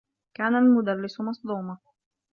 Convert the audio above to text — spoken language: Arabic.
كان المدرّس مصدومة.